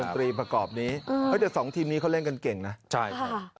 ดนตรีประกอบนี้เดี๋ยว๒ทีมนี้เขาเล่นกันเก่งนะใช่